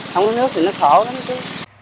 không có nước thì nó khổ lắm chú